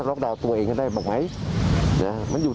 มันก็จะแค่กล่องคนได้ง่ายขึ้น